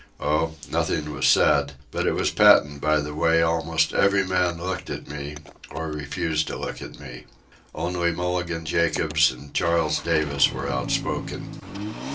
Oh, nothing was said; but it was patent by the way almost every man looked at me, or refused to look at me. Only Mulligan Jacobs and Charles Davis were outspoken.